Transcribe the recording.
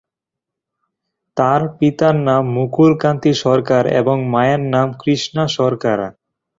তার পিতার নাম মুকুল কান্তি সরকার এবং মায়ের নাম কৃষ্ণা সরকার।